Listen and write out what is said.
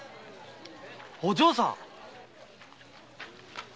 お嬢さん。